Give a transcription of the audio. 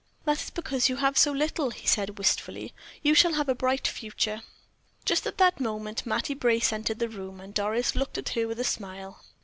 "That is because you have had so little," he said, wistfully. "You shall have a bright future." Just at that moment Mattie Brace entered the room, and Doris looked at her with a smile.